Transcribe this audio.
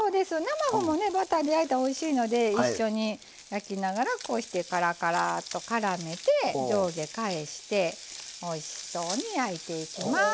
生麩もねバターで焼いたらおいしいので一緒に焼きながらこうしてからからっとからめて上下返しておいしそうに焼いていきます。